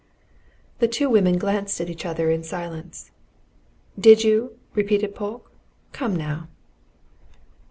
The two women glanced at each other in silence. "Did you?" repeated Polke. "Come, now!"